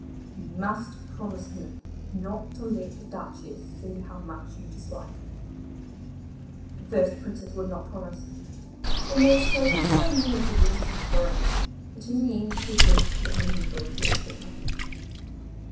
You must promise me not to let the Duchess see how much you dislike her.' At first the Princess would not promise, but the nurse showed her so many good reasons for it that in the end she agreed to be amiable to her step mother.